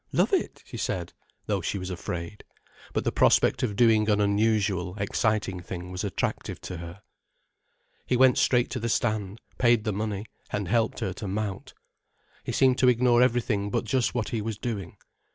"Love it," she said, though she was afraid. But the prospect of doing an unusual, exciting thing was attractive to her. He went straight to the stand, paid the money, and helped her to mount. He seemed to ignore everything but just what he was doing.